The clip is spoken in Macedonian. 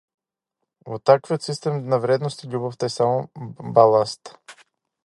Во таквиот систем на вредности љубовта е само баласт.